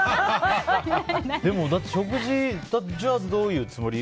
でも、じゃあどういうつもり？